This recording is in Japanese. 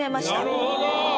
なるほど。